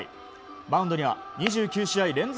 マウンドには２９試合連続